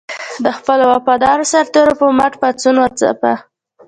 د خپلو وفادارو سرتېرو پر مټ پاڅون وځپه.